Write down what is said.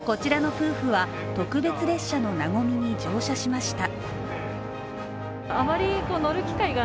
こちらの夫婦は特別列車のなごみに乗車しました。